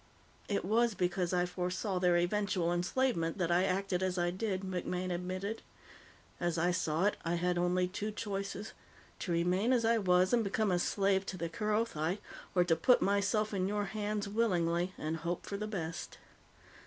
"It was because I foresaw their eventual enslavement that I acted as I did," MacMaine admitted. "As I saw it, I had only two choices to remain as I was and become a slave to the Kerothi or to put myself in your hands willingly and hope for the best.